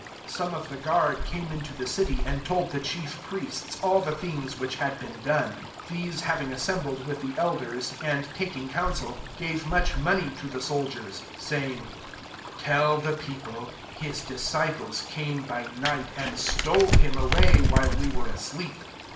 some of the guard came into the city, and told the chief priests all the things which had been done. 12 These having as sembled with the elders, and taking counsel, gave much money to the soldiers, 13 say ing, « Tell the fieofile, < His db ciples came by night, and stole him away while we were asleep.'